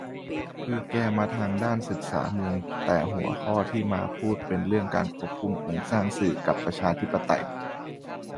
คือแกมาทางด้านศึกษาเมือง แต่หัวข้อที่มาพูดเป็นเรื่องการควบคุมโครงสร้างสื่อกับประชาธิปไตย